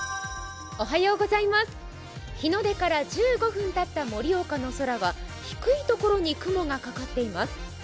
日の出から１５分たった盛岡の空は低いところに雲がかかっています。